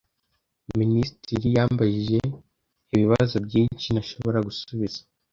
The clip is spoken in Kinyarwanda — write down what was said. Minisitiri yambajije ibibazo byinshi ntashobora gusubiza.